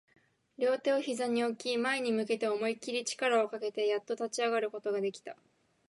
両手を膝に置き、前に向けて思いっきり力をかけて、やっと立ち上がることができた